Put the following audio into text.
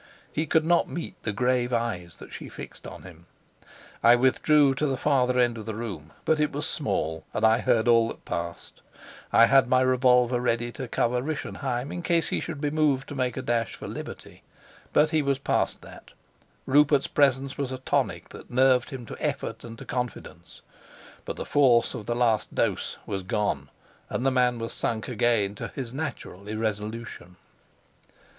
He could not meet the grave eyes that she fixed on him. I withdrew to the farther end of the room; but it was small, and I heard all that passed. I had my revolver ready to cover Rischenheim in case he should be moved to make a dash for liberty. But he was past that: Rupert's presence was a tonic that nerved him to effort and to confidence, but the force of the last dose was gone and the man was sunk again to his natural irresolution.